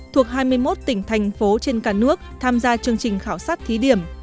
thuộc hai mươi một tỉnh thành phố trên cả nước tham gia chương trình khảo sát thí điểm